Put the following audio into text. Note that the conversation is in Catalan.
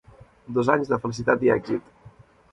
Dos anys de felicitat i èxit.